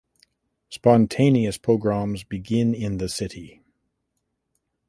Spontaneous pogroms begin in the city.